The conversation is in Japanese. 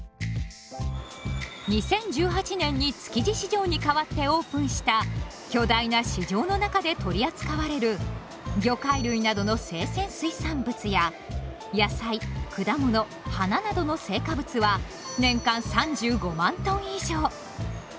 ２０１８年に築地市場にかわってオープンした巨大な市場の中で取り扱われる魚介類などの生鮮水産物や野菜・果物・花などの青果物は年間３５万トン以上。